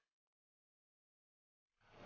mereka tidak sadar